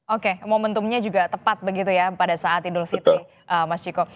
oke momentumnya juga tepat begitu ya pada saat idul fitri mas ciko